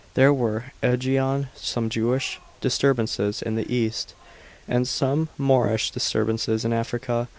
There were, ajiain, some Jewish disturbances in the east, and some Moorish disturbances in Africa.